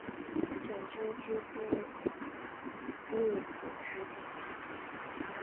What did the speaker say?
整修期间恕不开放参观